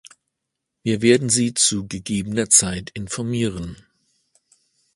Wir werden Sie zu gegebener Zeit informieren.